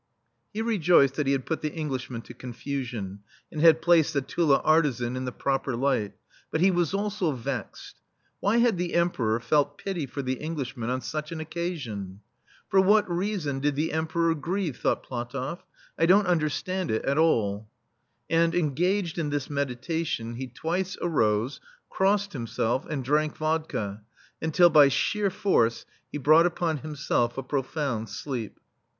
He rejoiced that he had put the Eng lishmen to confusion, and had placed the Tula artisan in the proper light, but he was also vexed. Why had the Em peror felt pity for the Englishmen on such an occasion ? "For what reason did the Emperor grieve?" thought PlatofF. "I don't un derstand it at all;" and, engaged in this meditation, he twice arose, crossed himself, and drank vodka until, by sheer force, he brought upon himself a pro found sleep.